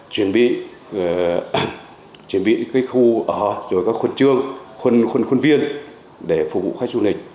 chuyển bị khu ở rồi các khuôn trương khuôn viên để phục vụ khách du lịch